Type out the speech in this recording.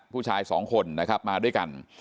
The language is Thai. ผู้ชาย๒คนมาด้วยกัน